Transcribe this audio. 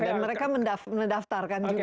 dan mereka mendaftarkan juga gitu